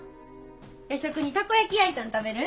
夜食にたこ焼き焼いたん食べる？